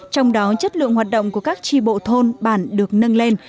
trong đó chất lượng hoạt động của các tri bộ thôn bản được nâng lên